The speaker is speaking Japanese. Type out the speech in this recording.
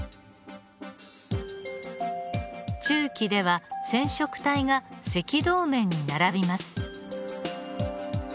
中期では染色体が赤道面に並びます。